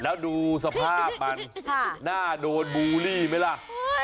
แล้วดูสภาพมันน่าโดนบูลลี่ไหมล่ะ